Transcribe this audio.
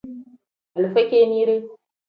Alifa kinide.